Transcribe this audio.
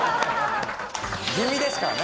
「気味」ですからね。